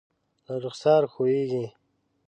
له رخسار ښویېږي